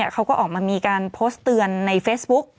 เขาก็ออกมามีการโพสต์เตือนในเฟซบุ๊ก